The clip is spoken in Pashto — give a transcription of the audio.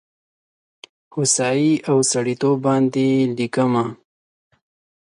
هوسايي او سړیتوب باندې لیکمه